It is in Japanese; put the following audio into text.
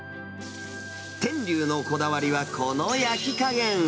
天龍のこだわりはこの焼き加減。